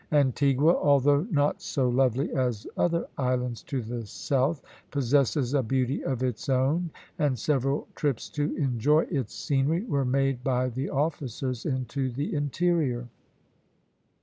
Antigua, although not so lovely as other islands to the south, possesses a beauty of its own, and several trips to enjoy its scenery were made by the officers into the interior.